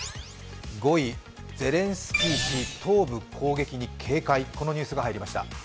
５位、ゼレンスキー氏、東部攻撃に警戒、このニュースが入りました。